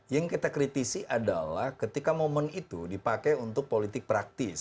yang kita kritisi adalah ketika momen itu dipakai untuk politik praktis